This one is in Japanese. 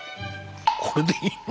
これでいいの？